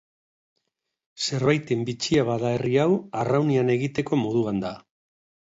Zerbaiten bitxia bada herri hau arraunean egiteko moduan da.